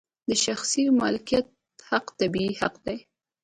د شخصي مالکیت حق طبیعي حق دی.